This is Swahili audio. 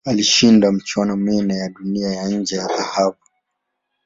Alishinda michuano minne ya Dunia ya nje ya dhahabu.